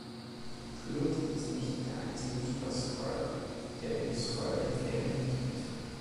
Kl'rt ist nicht der einzige Super-Skrull, der dem Skrull-Imperium dient.